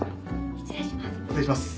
失礼します。